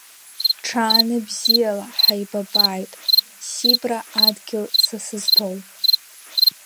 Ҽааныбзиала, ҳаибабааит, Сибра адгьыл са сызҭоу!